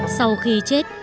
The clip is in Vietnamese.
sau khi chết